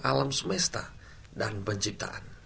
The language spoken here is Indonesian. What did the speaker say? alam semesta dan penciptaan